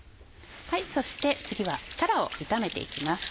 そして次はたらを炒めていきます。